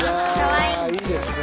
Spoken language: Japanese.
いいですね！